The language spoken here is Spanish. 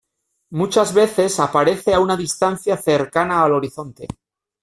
Muchas veces aparece a una distancia cercana al horizonte.